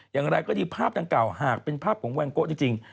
อย่างไรก็ดีภาพดังกล่าวหากเป็นภาพของแวนโกะจริง